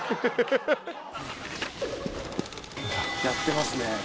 やってますね。